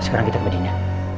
sekarang kita ke bedinya